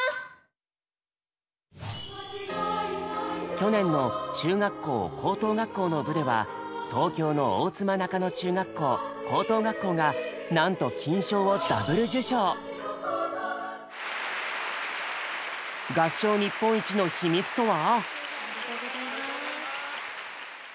去年の中学校・高等学校の部では東京の大妻中野中学校・高等学校がなんと金賞を合唱日本一の秘密とは？